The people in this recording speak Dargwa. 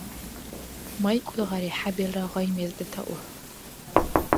МайкӀуд гъари, хӀябилра гъай–мез детаур.